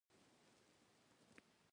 د چاپیریال ساتنه باید په نصاب کې شامل شي.